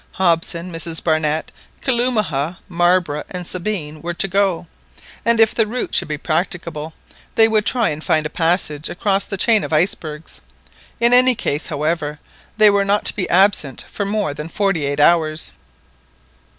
Hobson, Mrs Barnett, Kalumah, Marbre, and Sabine were to go, and, if the route should be practicable, they would try and find a passage across the chain of icebergs. In any case, however, they were not to be absent for more than forty eight hours.